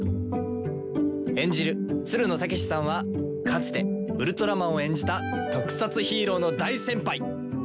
演じるつるの剛士さんはかつてウルトラマンを演じた特撮ヒーローの大先輩！